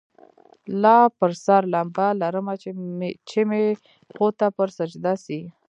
لا پر سر لمبه لرمه چي مي پښو ته پر سجده سي